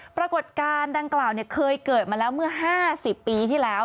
ปรากฏการณ์ดังกล่าวเคยเกิดมาแล้วเมื่อ๕๐ปีที่แล้ว